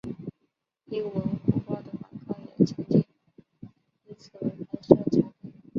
英文虎报的广告也曾经以此为拍摄场地。